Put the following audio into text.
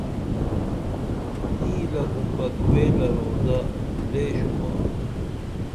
نیلہ گنبد ویلہ روضہ لے شُباں